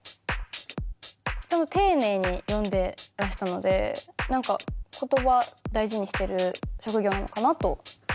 でも丁寧に読んでらしたので何か言葉大事にしてる職業なのかなと思いました。